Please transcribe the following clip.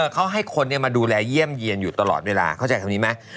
เขาให้คนมาดูแลเยี่ยมเยี่ยนอยู่ตลอดเวลาเข้าใจคำนี้ไหม